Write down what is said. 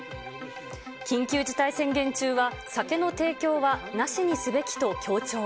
緊急事態宣言中は酒の提供はなしにすべきと強調。